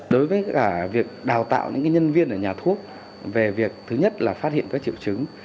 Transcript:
đối với cả việc đào tạo những nhân viên ở nhà thuốc về việc thứ nhất là phát hiện các triệu chứng